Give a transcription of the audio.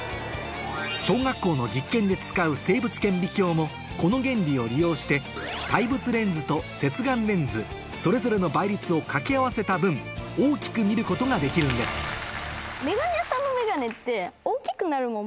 小学校の実験で使う生物顕微鏡もこの原理を利用して対物レンズと接眼レンズそれぞれの倍率を掛け合わせた分大きく見ることができるんですそうか。